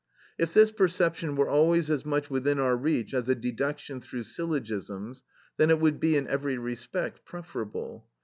If this perception were always as much within our reach as a deduction through syllogisms, then it would be in every respect preferable.